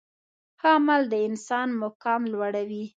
ښه عمل د انسان مقام لوړوي.